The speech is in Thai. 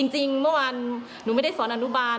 จริงเมื่อวานหนูไม่ได้สอนอนุบาล